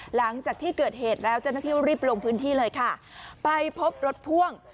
หลังจากที่เกิดเหตุแล้วเจ้าหน้าที่รีบลงพื้นที่เลยค่ะไปพบรถพ่วง